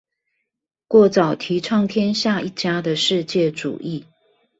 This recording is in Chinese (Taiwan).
過早提倡天下一家的世界主義